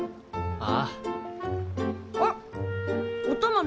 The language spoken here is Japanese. ああ。